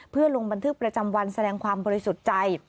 เพื่อลงบันทึกประจำวันแสดงความบริสุทธิ์ใจ